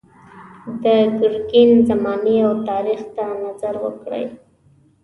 د ګرګین زمانې او تاریخ ته نظر وکړئ.